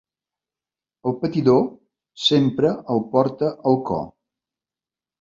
El patidor sempre el porta al cor.